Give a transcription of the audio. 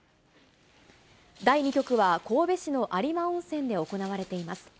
第２局は、神戸市の有馬温泉で行われています。